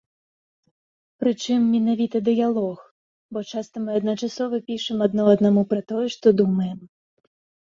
Прычым, менавіта дыялог, бо часта мы адначасова пішам адно аднаму пра тое, што думаем.